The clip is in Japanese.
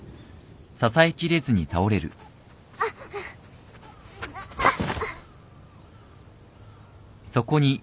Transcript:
あっあっ。